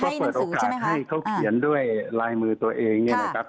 ก็เปิดโอกาสให้เขาเขียนด้วยลายมือตัวเองเนี่ยนะครับ